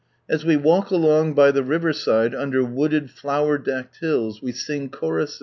As we walk along by the river side under wooded (lower decked hills, we sing choruse?